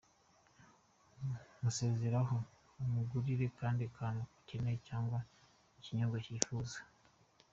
Musezereho umugurira akandi kantu akeneye cyangwa ikinyobwa yifuza;.